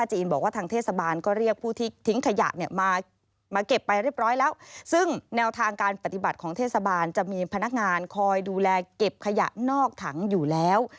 จะมีพนักงานคอยดูแลเก็บขยะนอกถังอยู่แล้ว